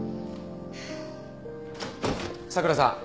佐倉さん。